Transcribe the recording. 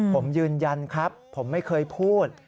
ผมยืนยันครับผมไม่เคยพูด